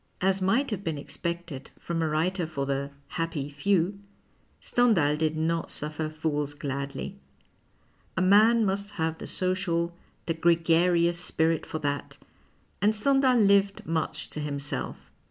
As might have been expected from a wTiter for the " happy few," Stendhal did not suffer fools gladly. A man must have the social, tiic gregarious spirit for that, and Stendhal lived much to himself.